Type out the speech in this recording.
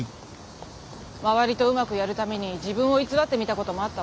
周りとうまくやるために自分を偽ってみたこともあったわ。